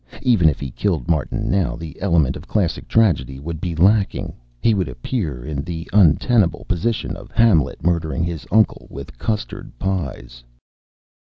Even if he killed Martin now, the element of classic tragedy would be lacking. He would appear in the untenable position of Hamlet murdering his uncle with custard pies.